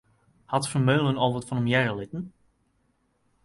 Hat Vermeulen al wat fan him hearre litten?